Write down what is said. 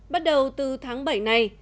bắt đầu từ tháng bảy này